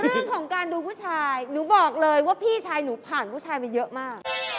เรื่องของการดูผู้ชายหนูบอกเลยว่าพี่ชายหนูผ่านผู้ชายมาเยอะมาก